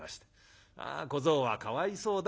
「小僧はかわいそうだ。